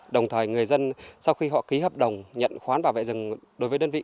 đồng thời người dân sau khi họ ký hợp đồng nhận khoán bảo vệ rừng đối với đơn vị